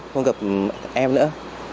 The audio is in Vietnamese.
không gặp em nữa